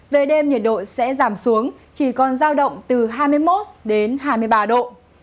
về đêm nhiệt độ sẽ giảm xuống chỉ còn giao động từ hai mươi tám đến ba mươi một độ